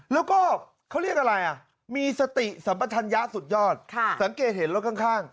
แล้วก็เขาเรียกอะไรอ่ะมีสติสัมปชัญญะสุดยอดสังเกตเห็นรถข้าง